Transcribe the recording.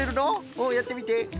おっやってみて。